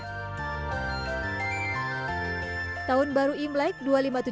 imlek yang berada di luar negeri merupakan pembawa dari pembawaan kebanyakan perusahaan